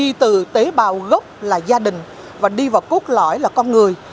đi từ tế bào gốc là gia đình và đi vào cốt lõi là con người